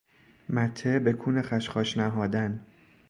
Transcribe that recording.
مته بکون خشخاش نهادن